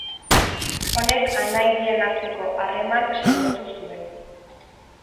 Honek anai bien arteko harreman sendotu zuen.